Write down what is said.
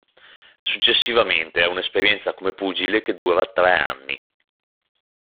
Successivamente ha un'esperienza come pugile che dura tre anni.